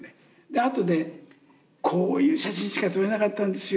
あとでこういう写真しか撮れなかったんですよ